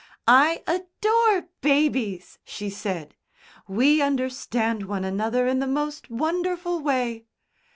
"I adore babies," she said. "We understand one another in the most wonderful way."